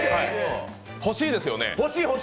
欲しいですよね？